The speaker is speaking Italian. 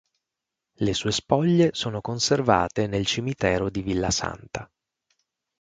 Le sue spoglie sono conservate nel cimitero di Villasanta.